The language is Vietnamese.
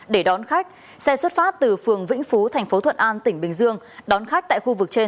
để đón khách xe xuất phát từ phường vĩnh phú thành phố thuận an tỉnh bình dương đón khách tại khu vực trên